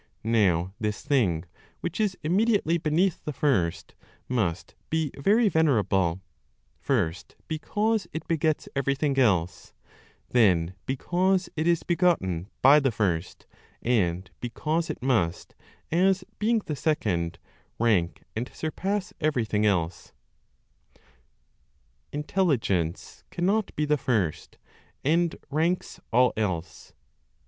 Now this thing (which is immediately beneath the First), must be very venerable, first because it begets everything else, then because it is begotten by the First, and because it must, as being the Second, rank and surpass everything else. INTELLIGENCE CANNOT BE THE FIRST, AND RANKS ALL ELSE.